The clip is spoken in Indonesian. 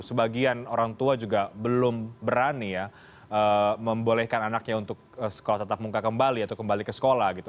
sebagian orang tua juga belum berani ya membolehkan anaknya untuk sekolah tetap muka kembali atau kembali ke sekolah gitu